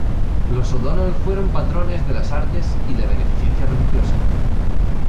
Los O'Donnell fueron patrones de las artes, y de beneficencia religiosa.